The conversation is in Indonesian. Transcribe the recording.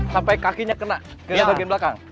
sampai kakinya kena kira kira bagian belakang